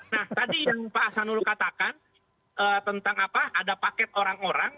nah tadi yang pak hasanul katakan tentang apa ada paket orang orang